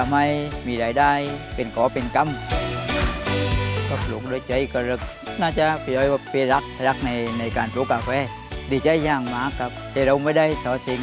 ไม่มีรายได้อื่นออกจากกาแฟ